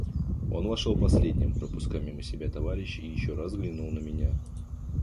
Он вошел последним, пропуская мимо себя товарищей, и еще раз взглянул на меня.